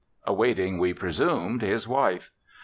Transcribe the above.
Awaiting, we presumed, his wife.